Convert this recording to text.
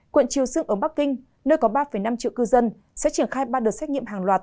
quận triều sương ở bắc kinh nơi có ba năm triệu cư dân sẽ triển khai ba đợt xét nghiệm hàng loạt